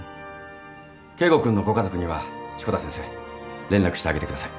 圭吾君のご家族には志子田先生連絡してあげてください。